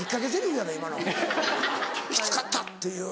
「きつかった」っていう